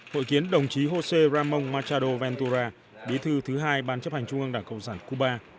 hội kiến đồng chí josé ramon machado ventura bí thư thứ hai ban chấp hành trung ương đảng cộng sản cuba